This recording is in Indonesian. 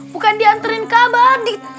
bukan diantarin ke abah adit